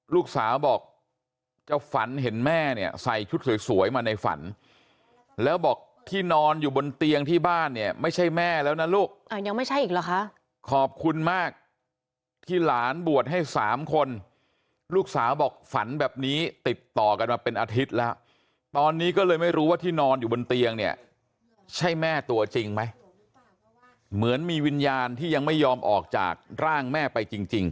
ลูกสาวบอกจะฝันเห็นแม่เนี่ยใส่ชุดสวยมาในฝันแล้วบอกที่นอนอยู่บนเตียงที่บ้านเนี่ยไม่ใช่แม่แล้วนะลูกยังไม่ใช่อีกเหรอคะขอบคุณมากที่หลานบวชให้สามคนลูกสาวบอกฝันแบบนี้ติดต่อกันมาเป็นอาทิตย์แล้วตอนนี้ก็เลยไม่รู้ว่าที่นอนอยู่บนเตียงเนี่ยใช่แม่ตัวจริงไหมเหมือนมีวิญญาณที่ยังไม่ยอมออกจากร่างแม่ไปจริง